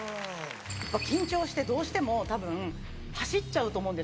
緊張してどうしてもたぶん走っちゃうと思うんですよ。